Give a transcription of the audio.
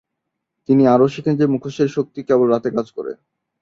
তিনি আরও শিখেন যে মুখোশের শক্তি কেবল রাতে কাজ করে।